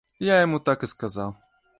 Я яму так і сказаў.